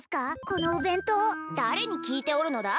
このお弁当誰に聞いておるのだ？